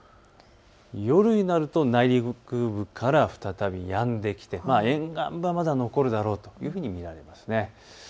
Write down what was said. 夜になると内陸部から再びやんできて沿岸部はまだ残るだろうというふうに見られます。